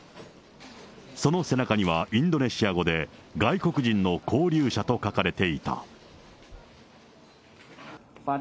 その背中には、インドネシア語で、外国人の勾留者と書かれていた。